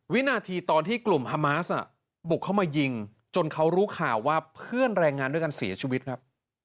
วินาทีตอนที่กลุ่มฮามาสบุกเข้ามายิงจนเขารู้ข่าวว่าเพื่อนแรงงานด้วยกันเสียชีวิตครับ